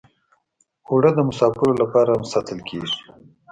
اوړه د مسافرو لپاره هم ساتل کېږي